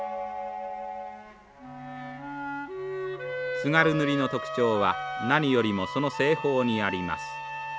津軽塗の特徴は何よりもその製法にあります。